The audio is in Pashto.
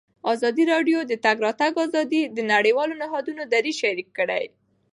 ازادي راډیو د د تګ راتګ ازادي د نړیوالو نهادونو دریځ شریک کړی.